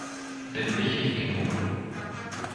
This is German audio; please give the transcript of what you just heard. Bin ich nicht genug?